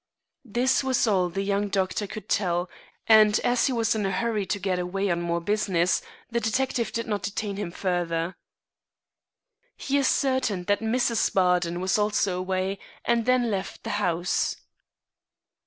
This was all the young doctor could tell, and as he was in a hurry to get away on more business, the detective did not detain him further. He ascertained that Mrs. Bardon was also away, and then left the house.